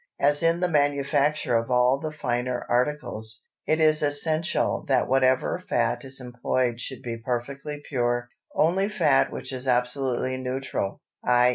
As in the manufacture of all the finer articles, it is essential that whatever fat is employed should be perfectly pure; only fat which is absolutely neutral, _i.